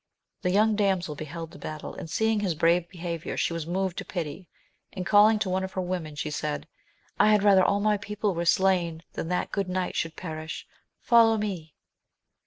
The young damsel beheld the battle, and seeing his brave behaviour she was moved to pity, and calling to one of her women, she said, I had rather aU my people were slain than that good knight should perish— follow me